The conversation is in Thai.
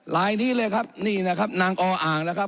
ลายนี้เลยครับนี่นะครับนางออ่างนะครับ